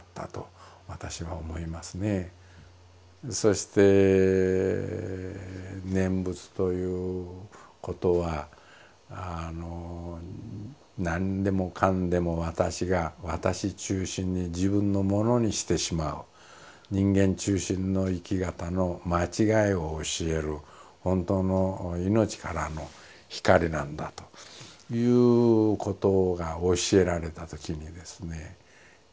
そして念仏ということは何でもかんでも私が私中心に自分のものにしてしまう人間中心の生き方の間違いを教える本当の命からの光なんだということが教えられたときにですね